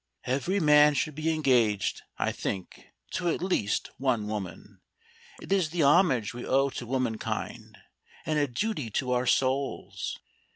"Every man should be engaged, I think, to at least one woman. It is the homage we owe to womankind, and a duty to our souls.